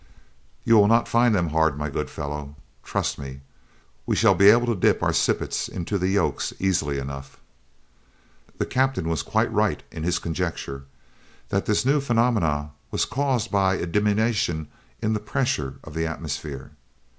"You will not find them hard, my good fellow. Trust me, we shall be able to dip our sippets into the yolks easily enough." The captain was quite right in his conjecture, that this new phenomenon was caused by a diminution in the pressure of the atmosphere.